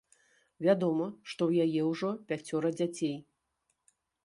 Вядома, што ў яе ўжо пяцёра дзяцей.